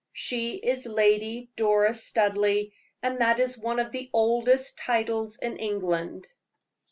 She is Lady Doris Studleigh, and that is one of the oldest titles in England."